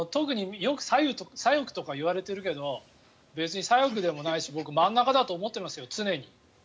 左翼とか言われてるけど別に左翼でもないし僕は真ん中だと思っていますよ、常に。